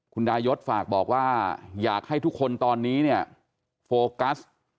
คุณดายศฝากบอกว่าอยากให้ทุกคนตอนนี้เนี่ยโฟกัส